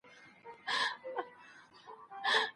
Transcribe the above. د خلکو رضایت تر هر څه مهم دی.